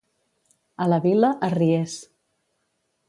A la Vila, arriers.